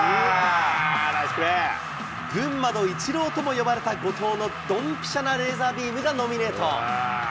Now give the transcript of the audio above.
群馬のイチローとも呼ばれた後藤のどんぴしゃなレーザービームがノミネート。